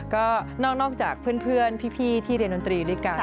ก็นอกจากเพื่อนพี่ที่เรียนดนตรีด้วยกัน